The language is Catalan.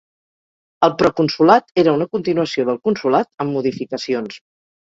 El proconsolat era una continuació del consolat amb modificacions.